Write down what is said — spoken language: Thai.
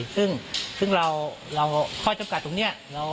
ซึ่งข้อจำกัดตรงนี้